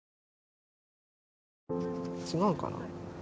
違うかな。